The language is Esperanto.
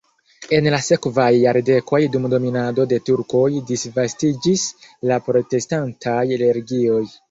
En la sekvaj jardekoj dum dominado de turkoj disvastiĝis la protestantaj religioj.